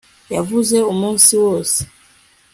yahuze umunsi wose